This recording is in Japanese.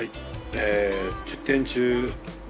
１０点中４。